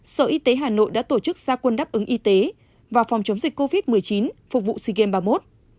sở y tế hà nội đã tổ chức gia quân đáp ứng y tế và phòng chống dịch covid một mươi chín phục vụ sea games ba mươi một